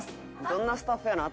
「どんなスタッフやねん？